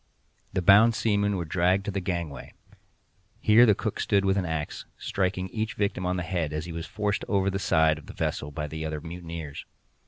The bound seamen were dragged to the gangway. Here the cook stood with an axe, striking each victim on the head as he was forced over the side of the vessel by the other mutineers.